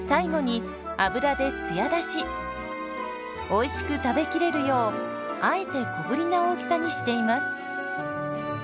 おいしく食べきれるようあえて小ぶりな大きさにしています。